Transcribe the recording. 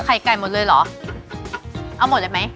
ไก่หมดเลยเหรอเอาหมดเลยไหม